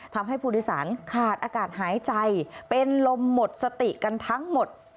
ทำให้ผู้โดยสารขาดอากาศหายใจเป็นลมหมดสติกันทั้งหมด